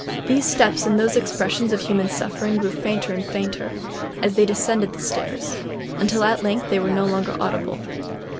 These steps and those expressions of human suffering grew fainter and fainter, as they descended the stairs, until at length they were no longer audible.